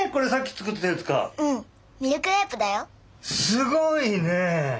すごいね！